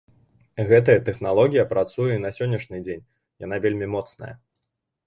Гэтая тэхналогія працуе і на сённяшні дзень, яна вельмі моцная.